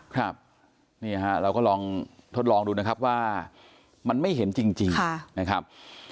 ครับนี่ฮะเราก็ลองทดลองดูนะครับว่ามันไม่เห็นจริงนะครับ